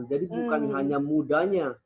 jadi bukan hanya mudanya